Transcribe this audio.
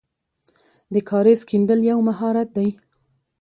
د کاریز کیندل یو مهارت دی.